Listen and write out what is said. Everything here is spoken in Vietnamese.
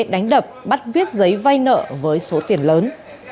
đánh đập bắt viết giấy vay nợ với số tiền lớn